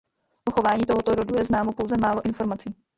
O chování tohoto rodu je známo pouze málo informací.